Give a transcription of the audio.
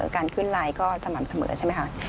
การขึ้นไลน์ก็สม่ำเสมอใช่ไหมคะ